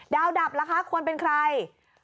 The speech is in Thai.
ดับล่ะคะควรเป็นใคร